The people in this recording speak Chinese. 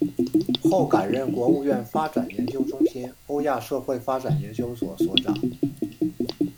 后改任国务院发展研究中心欧亚社会发展研究所所长。